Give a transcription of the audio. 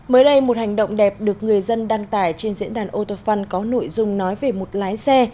mới đây một hành động đẹp được người dân đăng tải trên diễn đàn autofun có nội dung nói về một lái xe